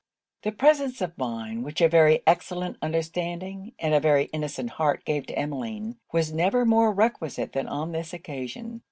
The presence of mind which a very excellent understanding and a very innocent heart gave to Emmeline, was never more requisite than on this occasion.